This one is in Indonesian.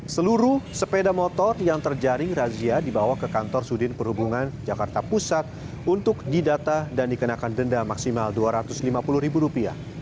seluruh sepeda motor yang terjaring razia dibawa ke kantor sudin perhubungan jakarta pusat untuk didata dan dikenakan denda maksimal rp dua ratus lima puluh ribu rupiah